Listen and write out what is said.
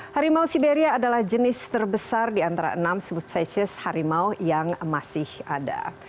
harimau siberia adalah jenis terbesar di antara enam substacis harimau yang masih ada